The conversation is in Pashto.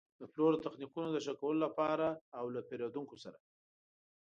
د پلور د تخنیکونو د ښه کولو لپاره او له پېرېدونکو سره.